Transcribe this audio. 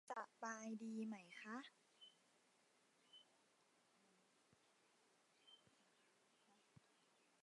สบายดีไหมค่ะ